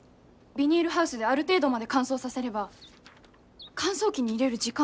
ビニールハウスである程度まで乾燥させれば乾燥機に入れる時間は減らせます。